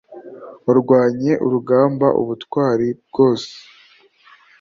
warwanye urugamba ubutwari rwose,